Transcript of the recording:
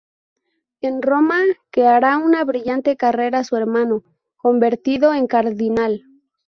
En Roma que hará una brillante carrera su hermano, convertido en cardinal.